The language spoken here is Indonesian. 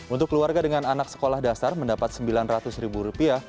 untuk keluarga dengan anak sekolah dasar mendapat rp sembilan ratus